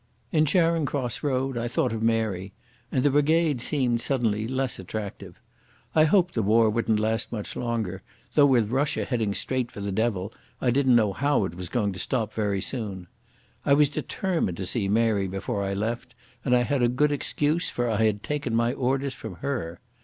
In Charing Cross Road I thought of Mary, and the brigade seemed suddenly less attractive. I hoped the war wouldn't last much longer, though with Russia heading straight for the devil I didn't know how it was going to stop very soon. I was determined to see Mary before I left, and I had a good excuse, for I had taken my orders from her.